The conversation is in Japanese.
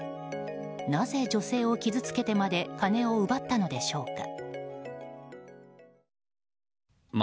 なぜ、女性を傷つけてまで金を奪ったのでしょうか。